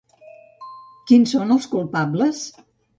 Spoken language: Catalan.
Quins són els culpables?